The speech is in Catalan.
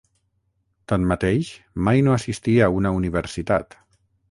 Tanmateix, mai no assistí a una universitat.